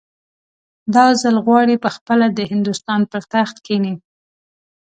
دا ځل غواړي پخپله د هندوستان پر تخت کښېني.